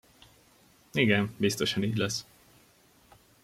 Igen, biztosan így lesz.